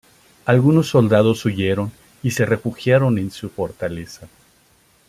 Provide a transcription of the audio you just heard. Algunos soldados huyeron y se refugiaron en su fortaleza.